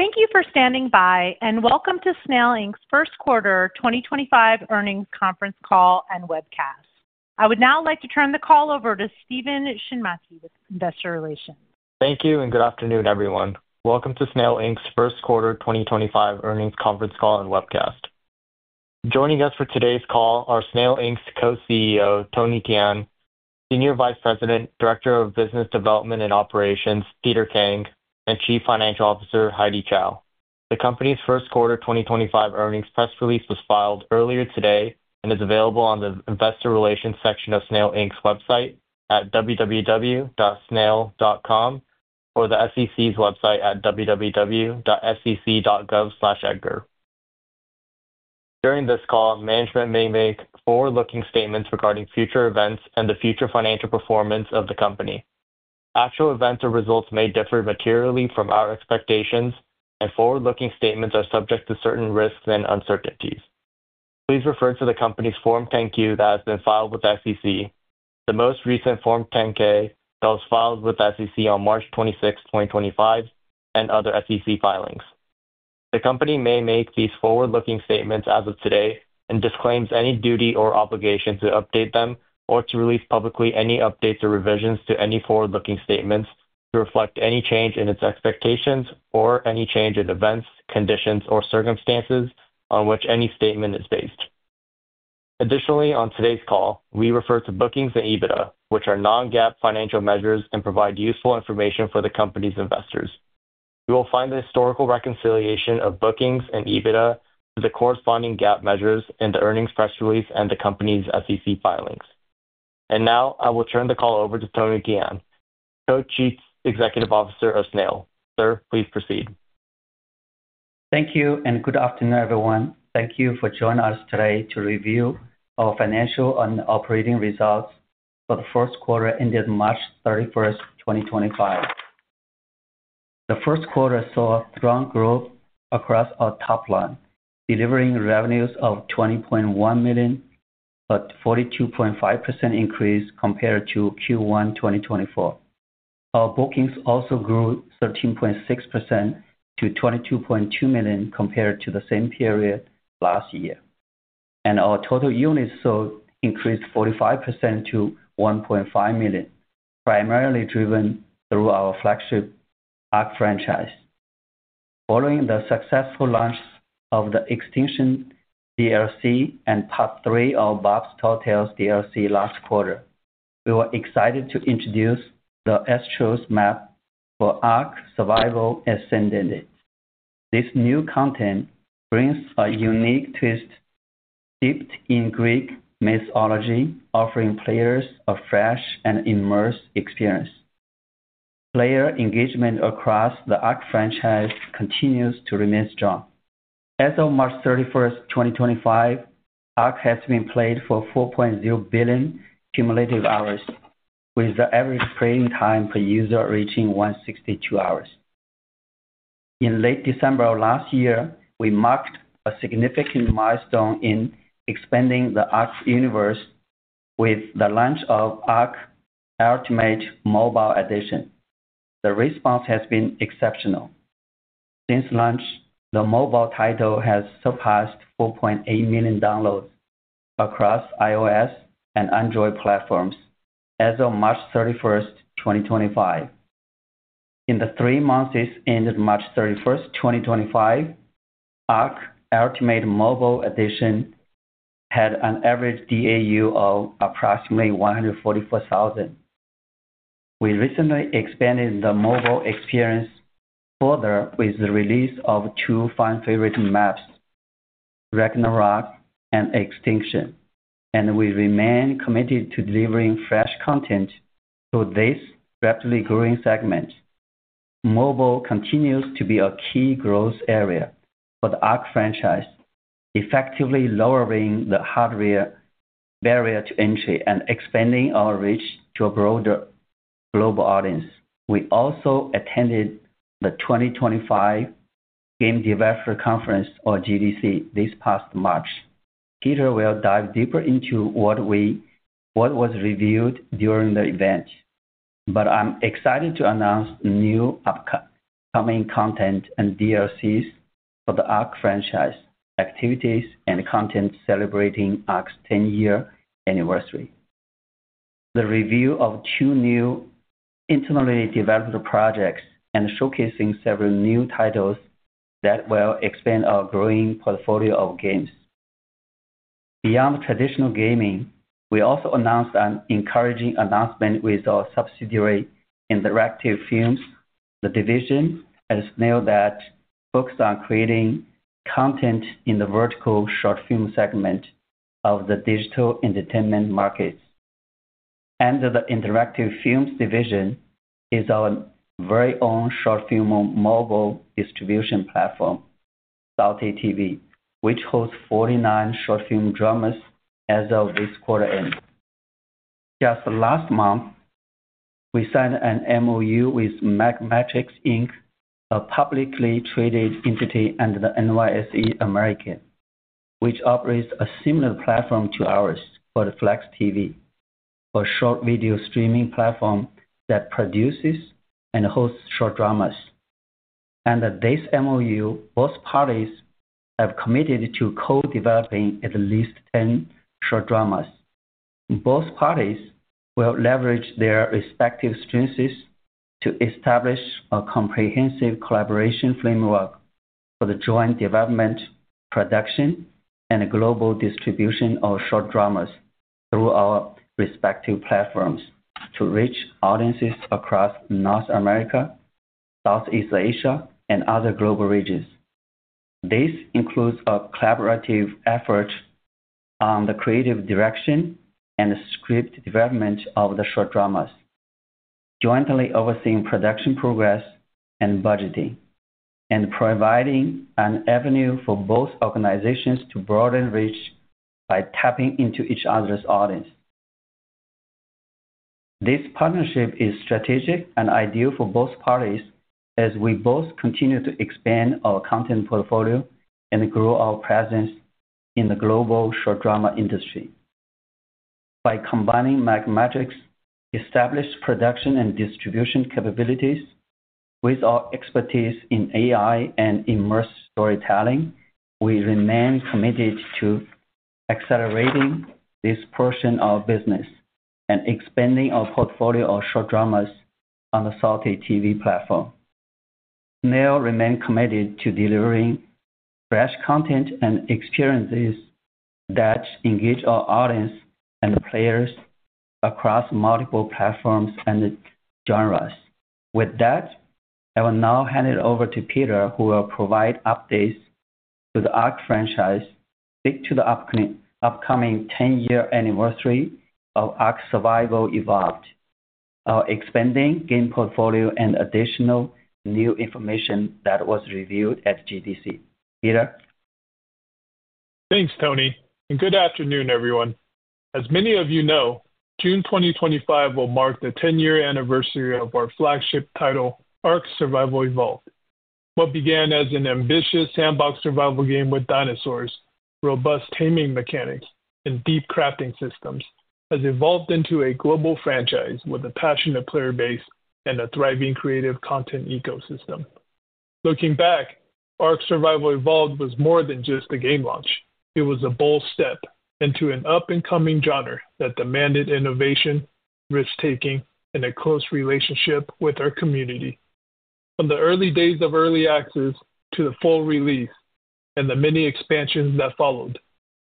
Thank you for standing by, and welcome to Snail Inc's First Quarter 2025 Earnings Conference Call and Webcast. I would now like to turn the call over to Steven Shinmachi with Investor Relations. Thank you, and good afternoon, everyone. Welcome to Snail Inc's First Quarter 2025 Earnings Conference Call and Webcast. Joining us for today's call are Snail Inc's Co-Chief Executive Officer, Tony Tian, Senior Vice President, Director of Business Development and Operations, Peter Kang, and Chief Financial Officer, Heidy Chow. The company's first quarter 2025 earnings press release was filed earlier today and is available on the Investor Relations section of Snail Inc's website at www.snail.com or the SEC's website at www.sec.gov/edgar. During this call, management may make forward-looking statements regarding future events and the future financial performance of the company. Actual events or results may differ materially from our expectations, and forward-looking statements are subject to certain risks and uncertainties. Please refer to the company's Form 10-Q that has been filed with the SEC, the most recent Form 10-K that was filed with the SEC on March 26, 2025, and other SEC filings. The company may make these forward-looking statements as of today and disclaims any duty or obligation to update them or to release publicly any updates or revisions to any forward-looking statements to reflect any change in its expectations or any change in events, conditions, or circumstances on which any statement is based. Additionally, on today's call, we refer to bookings and EBITDA, which are non-GAAP financial measures and provide useful information for the company's investors. You will find the historical reconciliation of bookings and EBITDA to the corresponding GAAP measures in the earnings press release and the company's SEC filings. I will turn the call over to Tony Tian, Co-Chief Executive Officer of Snail. Sir, please proceed. Thank you, and good afternoon, everyone. Thank you for joining us today to review our financial and operating results for the first quarter ended March 31st, 2025. The first quarter saw a strong growth across our top line, delivering revenues of $20.1 million, a 42.5% increase compared to Q1 2024. Our bookings also grew 13.6% to $22.2 million compared to the same period last year. Our total units sold increased 45% to $1.5 million, primarily driven through our flagship ARK franchise. Following the successful launch of the Extinction DLC and Part 3 of Bob's Tall Tales DLC last quarter, we were excited to introduce the Astraeos map for ARK: Survival Ascended. This new content brings a unique twist dipped in Greek mythology, offering players a fresh and immersive experience. Player engagement across the ARK franchise continues to remain strong. As of March 31st, 2025, ARK has been played for 4.0 billion cumulative hours, with the average playing time per user reaching 162 hours. In late December of last year, we marked a significant milestone in expanding the ARK universe with the launch of ARK: Ultimate Mobile Edition. The response has been exceptional. Since launch, the mobile title has surpassed 4.8 million downloads across iOS and Android platforms as of March 31st, 2025. In the three months since March 31st, 2025, ARK: Ultimate Mobile Edition had an average DAU of approximately 144,000. We recently expanded the mobile experience further with the release of two fan-favorite maps, Ragnarok and Extinction, and we remain committed to delivering fresh content through this rapidly growing segment. Mobile continues to be a key growth area for the ARK franchise, effectively lowering the hardware barrier to entry and expanding our reach to a broader global audience. We also attended the 2025 Game Developers Conference, or GDC, this past March. Peter will dive deeper into what was revealed during the event, but I'm excited to announce new upcoming content and DLCs for the ARK franchise, activities and content celebrating ARK's 10-year anniversary, the review of two new internally developed projects, and showcasing several new titles that will expand our growing portfolio of games. Beyond traditional gaming, we also announced an encouraging announcement with our subsidiary Interactive Films, the division at Snail that focused on creating content in the vertical short film segment of the digital entertainment markets. The Interactive Films division is our very own short film mobile distribution platform, Salty TV, which hosts 49 short film dramas as of this quarter end. Just last month, we signed an MOU with Mega Matrix Inc, a publicly traded entity under the NYSE American, which operates a similar platform to ours for the FlexTV, a short video streaming platform that produces and hosts short dramas. Under this MOU, both parties have committed to co-developing at least 10 short dramas. Both parties will leverage their respective strengths to establish a comprehensive collaboration framework for the joint development, production, and global distribution of short dramas through our respective platforms to reach audiences across North America, Southeast Asia, and other global regions. This includes a collaborative effort on the creative direction and script development of the short dramas, jointly overseeing production progress and budgeting, and providing an avenue for both organizations to broaden reach by tapping into each other's audience. This partnership is strategic and ideal for both parties as we both continue to expand our content portfolio and grow our presence in the global short drama industry. By combining Mega Matrix's established production and distribution capabilities with our expertise in AI and immersive storytelling, we remain committed to accelerating this portion of business and expanding our portfolio of short dramas on the Salty TV platform. Snail remains committed to delivering fresh content and experiences that engage our audience and players across multiple platforms and genres. With that, I will now hand it over to Peter, who will provide updates to the ARK franchise. Speak to the upcoming 10-year anniversary of ARK: Survival Evolved, our expanding game portfolio, and additional new information that was revealed at GDC. Peter? Thanks, Tony. Good afternoon, everyone. As many of you know, June 2025 will mark the 10-year anniversary of our flagship title, ARK: Survival Evolved. What began as an ambitious sandbox survival game with dinosaurs, robust taming mechanics, and deep crafting systems has evolved into a global franchise with a passionate player base and a thriving creative content ecosystem. Looking back, ARK: Survival Evolved was more than just a game launch. It was a bold step into an up-and-coming genre that demanded innovation, risk-taking, and a close relationship with our community. From the early days of early access to the full release and the many expansions that followed,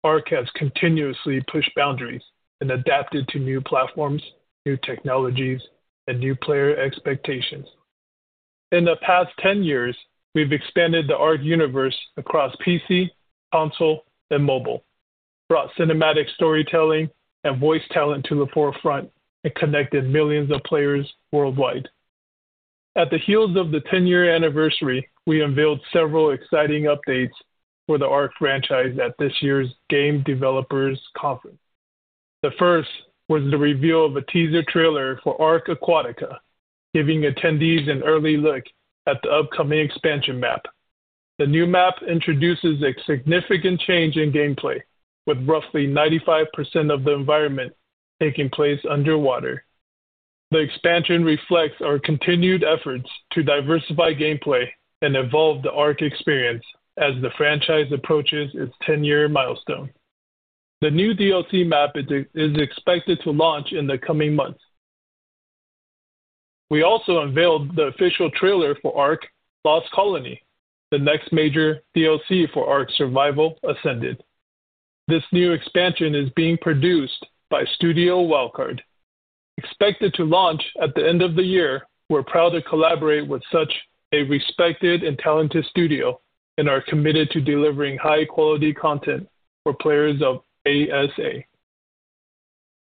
ARK has continuously pushed boundaries and adapted to new platforms, new technologies, and new player expectations. In the past 10 years, we've expanded the ARK universe across PC, console, and mobile, brought cinematic storytelling and voice talent to the forefront, and connected millions of players worldwide. At the heels of the 10-year anniversary, we unveiled several exciting updates for the ARK franchise at this year's Game Developers Conference. The first was the reveal of a teaser trailer for ARK: Aquatica, giving attendees an early look at the upcoming expansion map. The new map introduces a significant change in gameplay, with roughly 95% of the environment taking place underwater. The expansion reflects our continued efforts to diversify gameplay and evolve the ARK experience as the franchise approaches its 10-year milestone. The new DLC map is expected to launch in the coming months. We also unveiled the official trailer for ARK: Lost Colony, the next major DLC for ARK: Survival Ascended. This new expansion is being produced by Studio Wildcard. Expected to launch at the end of the year, we're proud to collaborate with such a respected and talented studio and are committed to delivering high-quality content for players of ASA.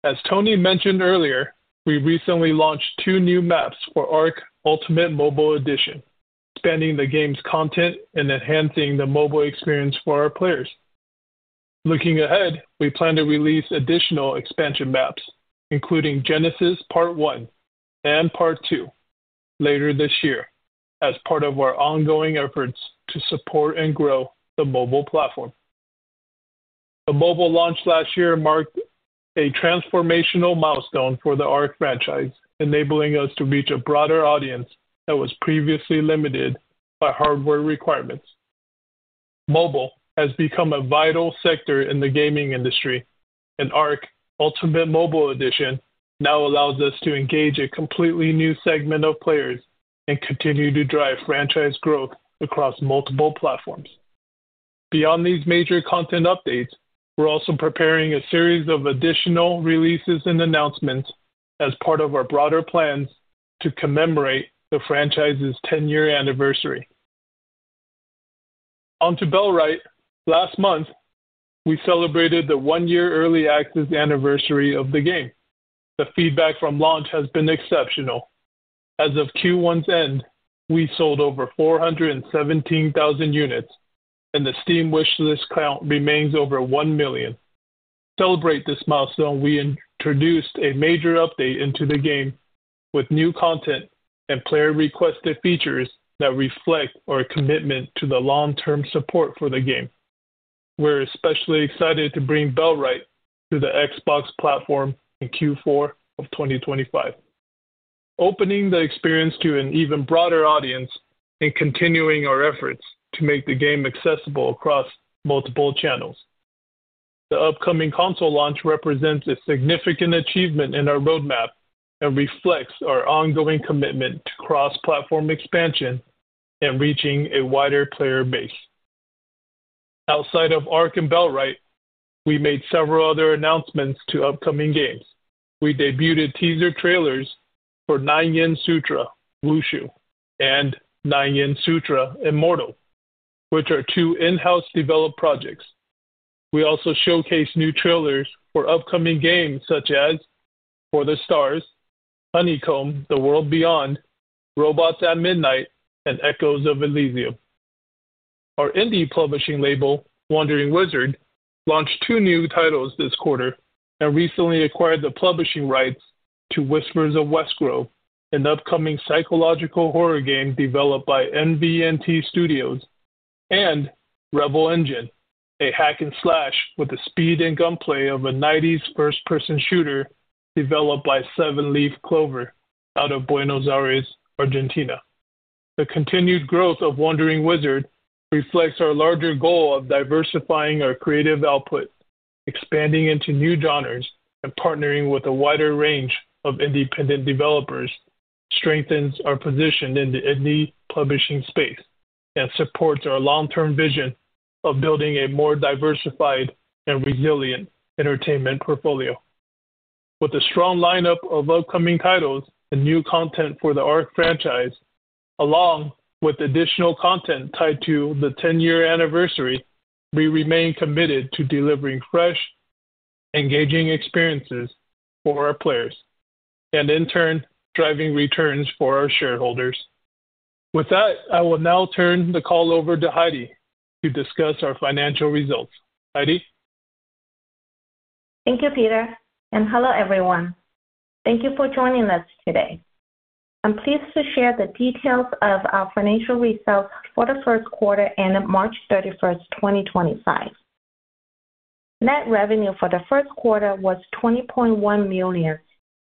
As Tony mentioned earlier, we recently launched two new maps for ARK: Ultimate Mobile Edition, expanding the game's content and enhancing the mobile experience for our players. Looking ahead, we plan to release additional expansion maps, including Genesis Part 1 and Part 2, later this year, as part of our ongoing efforts to support and grow the mobile platform. The mobile launch last year marked a transformational milestone for the ARK franchise, enabling us to reach a broader audience that was previously limited by hardware requirements. Mobile has become a vital sector in the gaming industry, and ARK: Ultimate Mobile Edition now allows us to engage a completely new segment of players and continue to drive franchise growth across multiple platforms. Beyond these major content updates, we are also preparing a series of additional releases and announcements as part of our broader plans to commemorate the franchise's 10-year anniversary. Onto Bellwright. Last month, we celebrated the one-year early access anniversary of the game. The feedback from launch has been exceptional. As of Q1's end, we sold over 417,000 units, and the Steam wishlist count remains over 1 million. To celebrate this milestone, we introduced a major update into the game with new content and player-requested features that reflect our commitment to the long-term support for the game. We're especially excited to bring Bellwright to the Xbox platform in Q4 of 2025, opening the experience to an even broader audience and continuing our efforts to make the game accessible across multiple channels. The upcoming console launch represents a significant achievement in our roadmap and reflects our ongoing commitment to cross-platform expansion and reaching a wider player base. Outside of ARK and Bellwright, we made several other announcements to upcoming games. We debuted teaser trailers for Nine Yin Sutra: Wushu and Nine Yin Sutra: Immortal, which are two in-house developed projects. We also showcased new trailers for upcoming games such as For the Stars, Honeycomb: The World Beyond, Robots at Midnight, and Echoes of Elysium. Our indie publishing label, Wandering Wizard, launched two new titles this quarter and recently acquired the publishing rights to Whispers of West Grove, an upcoming psychological horror game developed by NVNT Studios, and Rebel Engine, a hack-and-slash with the speed and gunplay of a '90s first-person shooter developed by Seven Leaf Clover out of Buenos Aires, Argentina. The continued growth of Wandering Wizard reflects our larger goal of diversifying our creative output, expanding into new genres, and partnering with a wider range of independent developers, strengthens our position in the indie publishing space, and supports our long-term vision of building a more diversified and resilient entertainment portfolio. With a strong lineup of upcoming titles and new content for the ARK franchise, along with additional content tied to the 10-year anniversary, we remain committed to delivering fresh, engaging experiences for our players and, in turn, driving returns for our shareholders. With that, I will now turn the call over to Heidy to discuss our financial results. Heidy? Thank you, Peter. Hello, everyone. Thank you for joining us today. I'm pleased to share the details of our financial results for the first quarter ended March 31st, 2025. Net revenue for the first quarter was $20.1 million,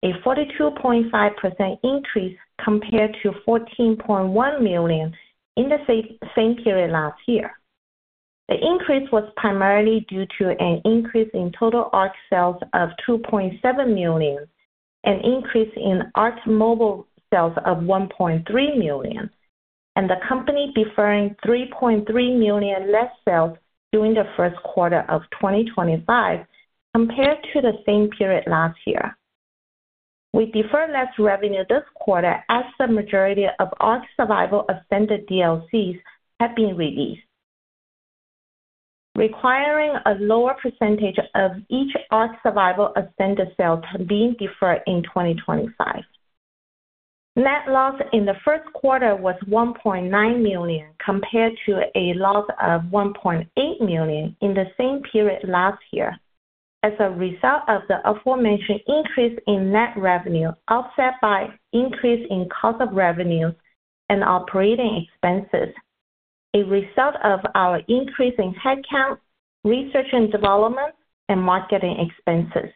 a 42.5% increase compared to $14.1 million in the same period last year. The increase was primarily due to an increase in total ARK sales of $2.7 million, an increase in ARK mobile sales of $1.3 million, and the company deferring $3.3 million less sales during the first quarter of 2025 compared to the same period last year. We deferred less revenue this quarter as the majority of ARK: Survival Ascended DLCs had been released, requiring a lower percentage of each ARK: Survival Ascended sale to be deferred in 2025. Net loss in the first quarter was $1.9 million compared to a loss of $1.8 million in the same period last year. As a result of the aforementioned increase in net revenue, offset by an increase in cost of revenues and operating expenses, a result of our increase in headcount, research and development, and marketing expenses.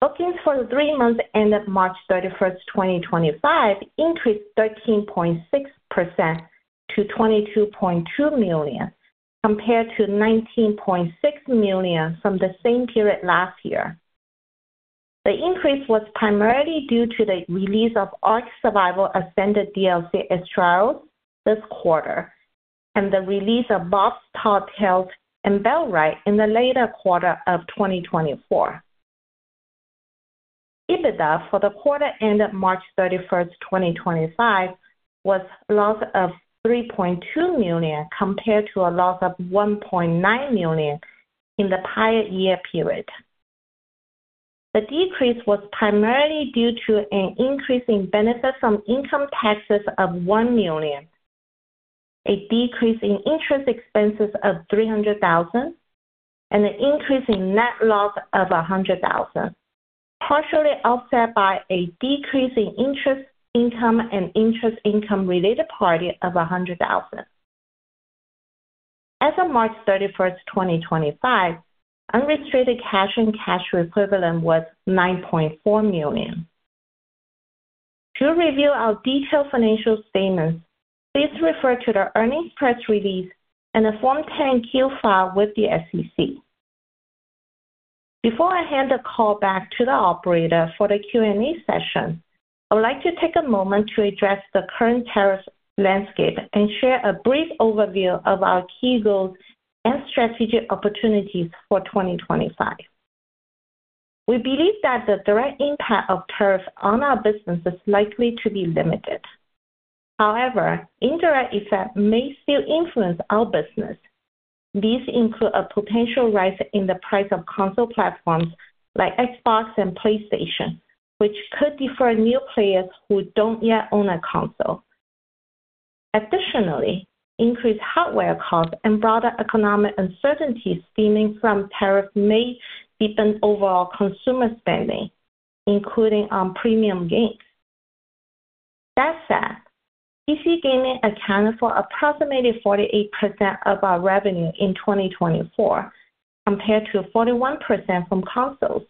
Bookings for the three months ended March 31st, 2025, increased 13.6% to $22.2 million compared to $19.6 million from the same period last year. The increase was primarily due to the release of ARK: Survival Ascended DLC Extras this quarter and the release of Bob's Tall Tales and Bellwright in the later quarter of 2024. EBITDA for the quarter ended March 31st, 2025, was a loss of $3.2 million compared to a loss of $1.9 million in the prior year period. The decrease was primarily due to an increase in benefits from income taxes of $1 million, a decrease in interest expenses of $300,000, and an increase in net loss of $100,000, partially offset by a decrease in interest income and interest income related party of $100,000. As of March 31st, 2025, unrestricted cash and cash equivalent was $9.4 million. To review our detailed financial statements, please refer to the earnings press release and the Form 10-Q file with the SEC. Before I hand the call back to the operator for the Q&A session, I would like to take a moment to address the current tariff landscape and share a brief overview of our key goals and strategic opportunities for 2025. We believe that the direct impact of tariffs on our business is likely to be limited. However, indirect effects may still influence our business. These include a potential rise in the price of console platforms like Xbox and PlayStation, which could defer new players who do not yet own a console. Additionally, increased hardware costs and broader economic uncertainty stemming from tariffs may deepen overall consumer spending, including on premium games. That said, PC gaming accounted for approximately 48% of our revenue in 2024, compared to 41% from consoles.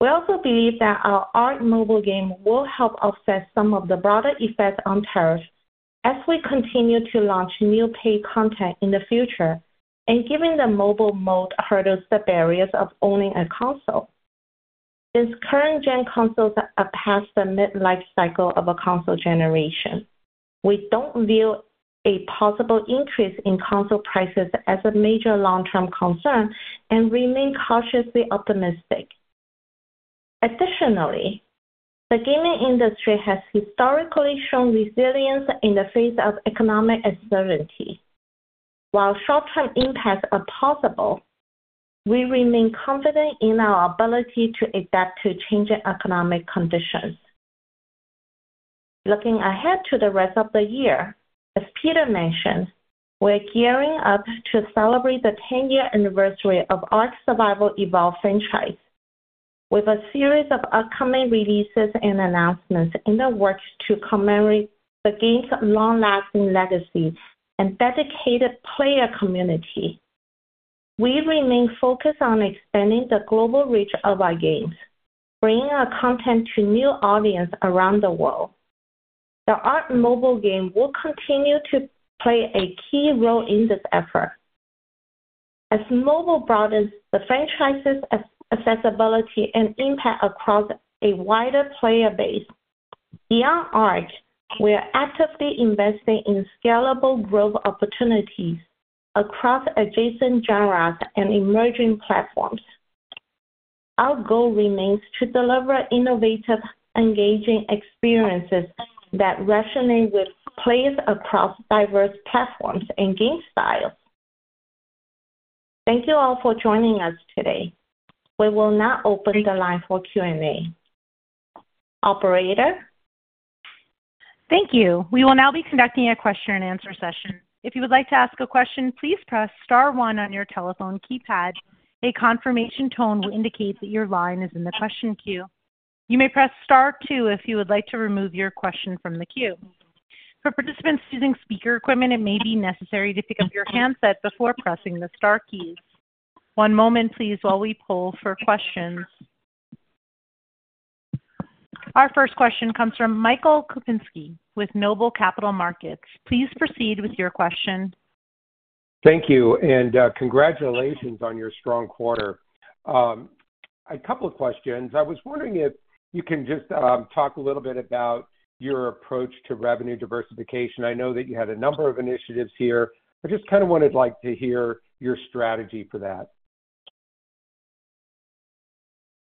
We also believe that our ARK mobile game will help offset some of the broader effects on tariffs as we continue to launch new paid content in the future and given the mobile mode hurdles the barriers of owning a console. Since current-gen consoles are past the mid-life cycle of a console generation, we do not view a possible increase in console prices as a major long-term concern and remain cautiously optimistic. Additionally, the gaming industry has historically shown resilience in the face of economic uncertainty. While short-term impacts are possible, we remain confident in our ability to adapt to changing economic conditions. Looking ahead to the rest of the year, as Peter mentioned, we're gearing up to celebrate the 10-year anniversary of ARK: Survival Evolved franchise, with a series of upcoming releases and announcements in the works to commemorate the game's long-lasting legacy and dedicated player community. We remain focused on expanding the global reach of our games, bringing our content to new audiences around the world. The ARK mobile game will continue to play a key role in this effort. As mobile broadens the franchise's accessibility and impact across a wider player base, beyond ARK, we are actively investing in scalable growth opportunities across adjacent genres and emerging platforms. Our goal remains to deliver innovative, engaging experiences that resonate with players across diverse platforms and game styles. Thank you all for joining us today. We will now open the line for Q&A. Operator? Thank you. We will now be conducting a question-and-answer session. If you would like to ask a question, please press star one on your telephone keypad. A confirmation tone will indicate that your line is in the question queue. You may press star two if you would like to remove your question from the queue. For participants using speaker equipment, it may be necessary to pick up your handset before pressing the star keys. One moment, please, while we pull for questions. Our first question comes from Michael Kupinski with Noble Capital Markets. Please proceed with your question. Thank you. Congratulations on your strong quarter. A couple of questions. I was wondering if you can just talk a little bit about your approach to revenue diversification. I know that you had a number of initiatives here. I just kind of wanted to hear your strategy for that.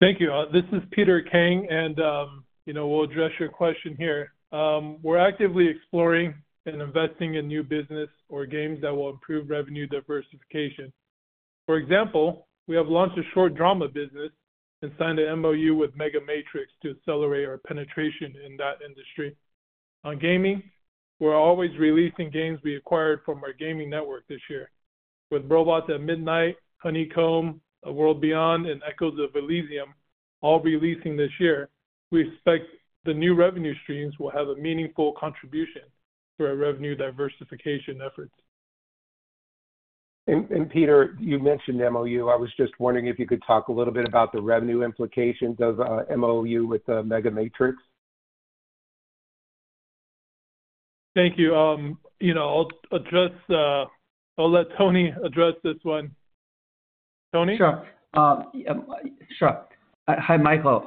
Thank you. This is Peter Kang, and we'll address your question here. We're actively exploring and investing in new business or games that will improve revenue diversification. For example, we have launched a short drama business and signed an MOU with Mega Matrix to accelerate our penetration in that industry. On gaming, we're always releasing games we acquired from our gaming network this year. With Robots at Midnight, Honeycomb: The World Beyond, and Echoes of Elysium all releasing this year, we expect the new revenue streams will have a meaningful contribution to our revenue diversification efforts. Peter, you mentioned MOU. I was just wondering if you could talk a little bit about the revenue implications of MOU with Mega Matrix. Thank you. I'll let Tony address this one. Tony? Sure. Sure. Hi, Michael.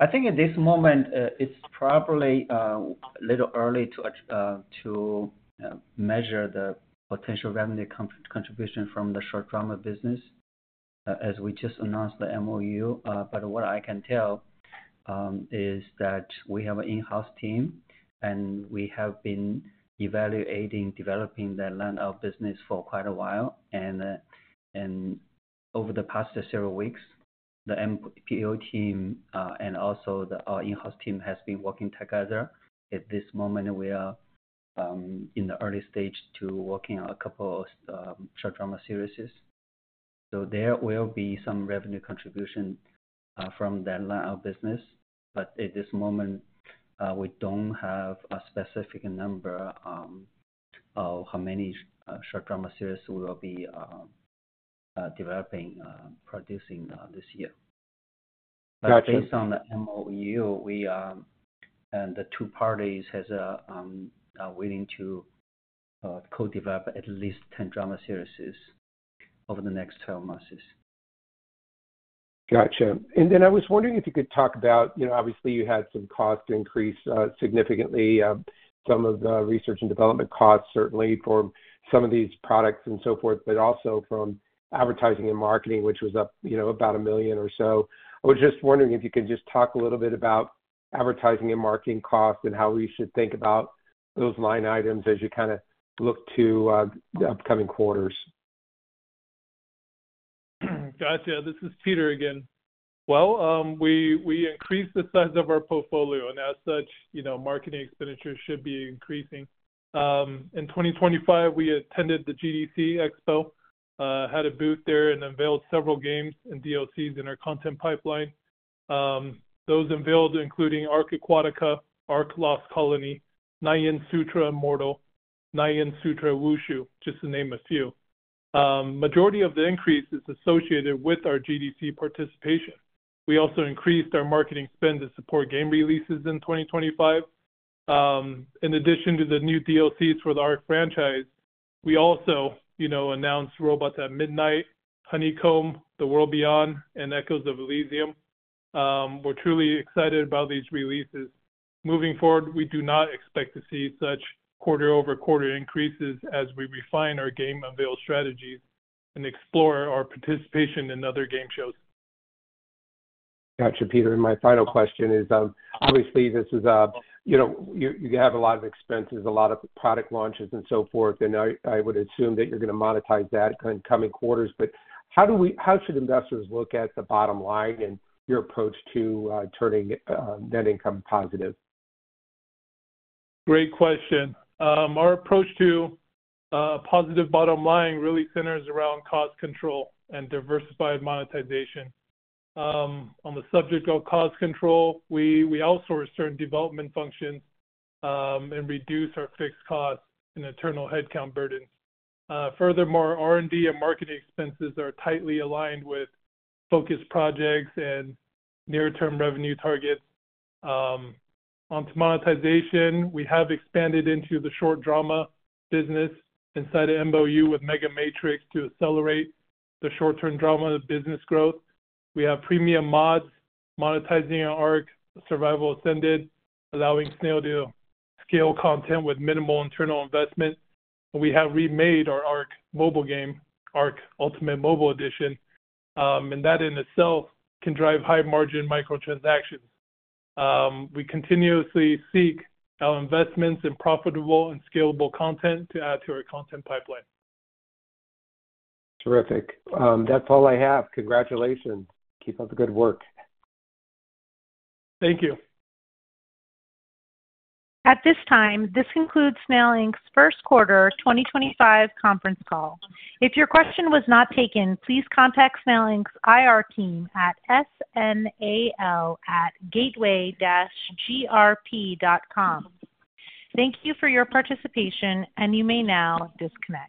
I think at this moment, it's probably a little early to measure the potential revenue contribution from the short drama business as we just announced the MOU. What I can tell is that we have an in-house team, and we have been evaluating developing that line of business for quite a while. Over the past several weeks, the MOU team and also our in-house team have been working together. At this moment, we are in the early stage to working on a couple of short drama series. There will be some revenue contribution from that line of business. At this moment, we do not have a specific number of how many short drama series we will be developing, producing this year. Gotcha. Based on the MOU, we and the two parties are willing to co-develop at least 10 drama series over the next 12 months. Gotcha. I was wondering if you could talk about, obviously, you had some cost increase significantly, some of the research and development costs, certainly, for some of these products and so forth, but also from advertising and marketing, which was up about $1 million or so. I was just wondering if you could just talk a little bit about advertising and marketing costs and how we should think about those line items as you kind of look to the upcoming quarters. Gotcha. This is Peter again. We increased the size of our portfolio, and as such, marketing expenditures should be increasing. In 2025, we attended the GDC Expo, had a booth there, and unveiled several games and DLCs in our content pipeline. Those unveiled, including ARK: Aquatica, ARK: Lost Colony, Nine Yin Sutra: Immortal, Nine Yin Sutra: Wushu, just to name a few. The majority of the increase is associated with our GDC participation. We also increased our marketing spend to support game releases in 2025. In addition to the new DLCs for the ARK franchise, we also announced Robots at Midnight, Honeycomb: The World Beyond, and Echoes of Elysium. We're truly excited about these releases. Moving forward, we do not expect to see such quarter-over-quarter increases as we refine our game unveil strategies and explore our participation in other game shows. Gotcha, Peter. My final question is, obviously, this is you have a lot of expenses, a lot of product launches, and so forth, and I would assume that you're going to monetize that in coming quarters. How should investors look at the bottom line and your approach to turning net income positive? Great question. Our approach to a positive bottom line really centers around cost control and diversified monetization. On the subject of cost control, we outsource certain development functions and reduce our fixed costs and internal headcount burdens. Furthermore, R&D and marketing expenses are tightly aligned with focus projects and near-term revenue targets. Onto monetization, we have expanded into the short drama business and signed an MOU with Mega Matrix to accelerate the short drama business growth. We have premium mods monetizing our ARK: Survival Ascended, allowing Snail to scale content with minimal internal investment. We have remade our ARK mobile game, ARK: Ultimate Mobile Edition, and that in itself can drive high-margin microtransactions. We continuously seek our investments in profitable and scalable content to add to our content pipeline. Terrific. That's all I have. Congratulations. Keep up the good work. Thank you. At this time, this concludes Snail Inc's first quarter 2025 conference call. If your question was not taken, please contact Snail Inc's IR team at snail@gateway-grp.com. Thank you for your participation, and you may now disconnect.